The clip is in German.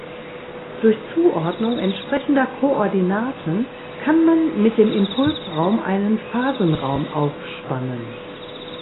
Durch Zuordnung entsprechender Koordinaten kann man mit dem Impulsraum einen Phasenraum aufspannen.